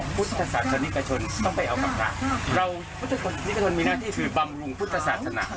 มมมมมภุตศาสนิกชนมีหน้าที่คือบำรุงภุตศาสนา